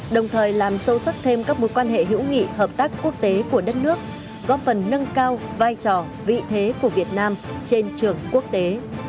đồng thời làm sâu sắc thêm các mối quan hệ hữu nghị hợp tác quốc tế của đất nước góp phần nâng cao vai trò vị thế của việt nam trên trường quốc tế